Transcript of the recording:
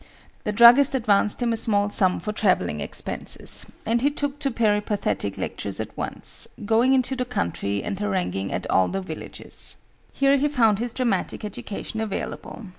The druggist advanced him a small sum for travelling expenses, and he took to peripatetic lectures at once, going into the country and haranguing at all the villages. Here he found his dramatic education available.